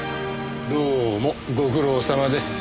どうもご苦労さまです。